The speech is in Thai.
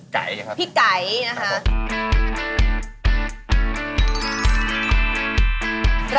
ไก่ครับพี่ไก่นะครับครับ